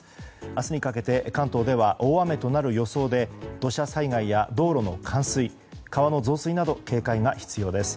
明日にかけて関東では大雨となる予想で土砂災害や道路の冠水川の増水など警戒が必要です。